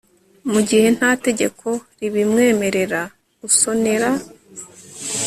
mu gihe nta tegeko ribimwemerera usonera